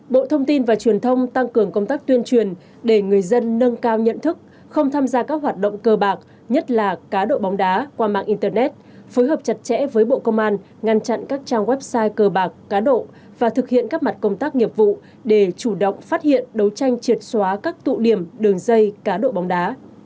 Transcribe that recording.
hai bộ thông tin và truyền thông tăng cường công tác tuyên truyền để người dân nâng cao nhận thức không tham gia các hoạt động cờ bạc nhất là cá độ bóng đá qua mạng internet phối hợp chặt chẽ với bộ công an ngăn chặn các trang website cờ bạc cá độ và thực hiện các mặt công tác nghiệp vụ để chủ động phát hiện đấu tranh triệt xóa các tụ điểm đường dây cá độ bóng đá